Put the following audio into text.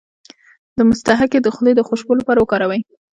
د مصطکي د خولې د خوشبو لپاره وکاروئ